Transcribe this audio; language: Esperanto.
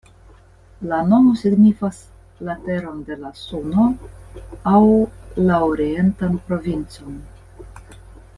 La nomo signifas "la teron de la Suno" aŭ "la orientan provincon.